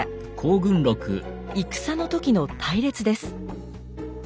戦の時の隊列です。